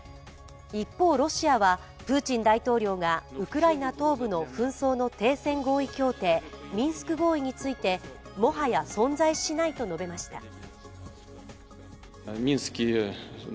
一方、ロシアはプーチン大統領がウクライナ東部の紛争の停戦合意協定、ミンスク合意についてもはや存在しないと述べました。